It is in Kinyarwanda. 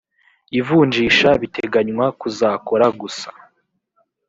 ivunjisha biteganywa kuzakora gusa